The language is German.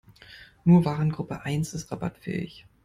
Nur Warengruppe eins ist rabattfähig.